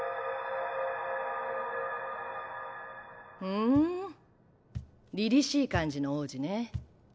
ふん凜々しい感じの王子ね。